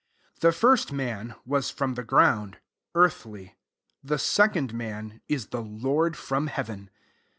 47 The first man toas from the ground, earthly: the second man is [jhe Xorrfj from hca ven.